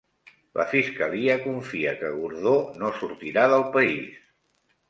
La Fiscalia confia que Gordó no sortirà del país